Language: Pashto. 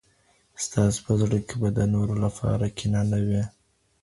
ستاسو په زړه کي به د نورو لپاره کینه نه وي.